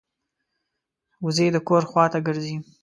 وزې د کور خوا ته ګرځي